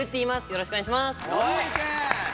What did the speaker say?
よろしくお願いします